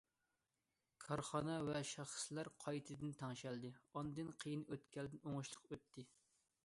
كارخانا ۋە شەخسلەر قايتىدىن تەڭشەلدى، ئاندىن قىيىن ئۆتكەلدىن ئوڭۇشلۇق ئۆتتى.